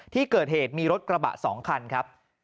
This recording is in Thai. ที่เกิดเหตุมีรถกระบะ๒คันครับ